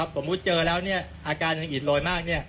สมมุติเจอแล้วอาการยังอิดโรยมาก